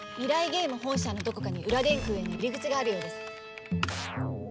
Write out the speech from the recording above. ゲーム本社のどこかに裏電空への入り口があるようです。